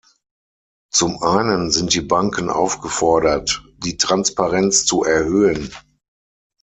Zum einen sind die Banken aufgefordert, die Transparenz zu erhöhen.